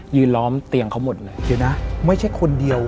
ล้อมเตียงเขาหมดเลยเดี๋ยวนะไม่ใช่คนเดียว